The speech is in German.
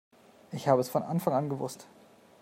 Ich habe es von Anfang an gewusst!